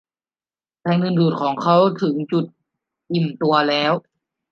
แรงดึงดูดของเขาถึงจุดอิ่มตัวแล้ว